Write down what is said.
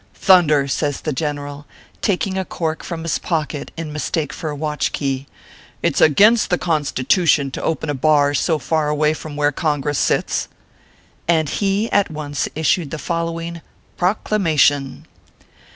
" Thunder !" says the General, taking a cork from his pocket in mistake for a watch key, " it s against the Constitution to open a bar so far away from where Congress sits." And he at once issued the following " PROCLAMATION.